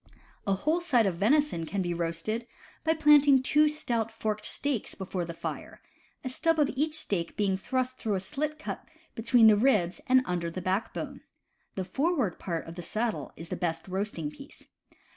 A whole side of venison can be roasted by planting two stout forked stakes before the fire, a stub of each stake being thrust through a slit cut between the ribs and under the backbone. The forward part of the saddle is the best roasting piece.